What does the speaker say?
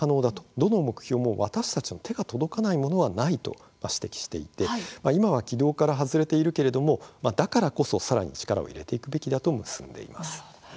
どの目標も私たちの手が届かないものはないと指摘していて今は軌道から外れているけれどもだからこそ、さらに力を入れるべきだと結んでいます。